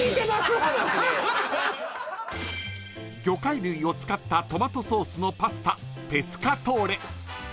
［魚介類を使ったトマトソースのパスタペスカトーレ］